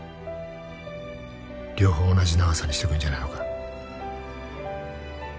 両方同じ長さにしてくんじゃないのか？